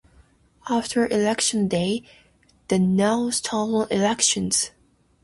After election day, the No Stolen Elections!